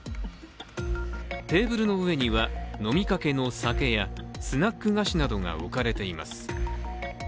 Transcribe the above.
テーブルの上には、飲みかけの酒やスナック菓子などが置かれています。